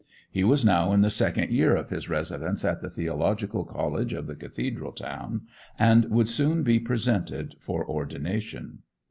He was now in the second year of his residence at the theological college of the cathedral town, and would soon be presented for ordination.